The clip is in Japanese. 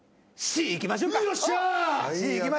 よっしゃ！